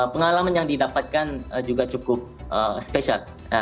pengalaman yang didapatkan juga cukup spesial